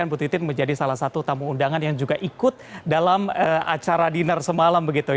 butitin menjadi salah satu tamu undangan yang juga ikut dalam acara dinner semalam